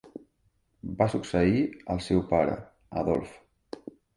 Va succeir al seu pare, Adolphe.